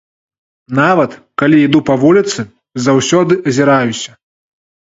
Нават, калі іду па вуліцы, заўсёды азіраюся.